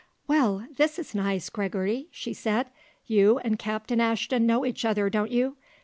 "Well, this is nice, Gregory!" she said. "You and Captain Ashton know each other, don't you.